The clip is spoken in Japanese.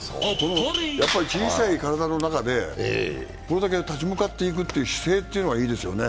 やっぱり小さい体の中で、これだけ立ち向かっていく姿勢がいいですよね。